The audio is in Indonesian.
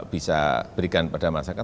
bisa berikan pada masyarakat